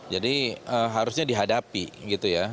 jadi harusnya dihadapi gitu ya